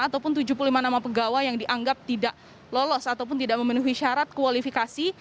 ataupun tujuh puluh lima nama pegawai yang dianggap tidak lolos ataupun tidak memenuhi syarat kualifikasi